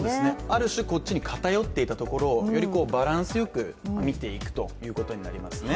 ある種、こっちに偏っていたところをよりバランスよく見ていくということになりますね。